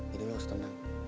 jadi lo setenang